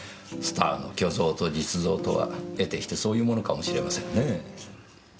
スターの虚像と実像とは得てしてそういうものかもしれませんねぇ。